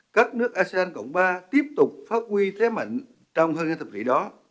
các nước asean cộng ba tiếp tục phát huy thế mạnh trong hơn hai thập kỷ đó